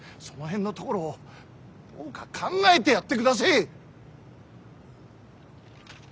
その辺のところをどうか考えてやってくだせえ。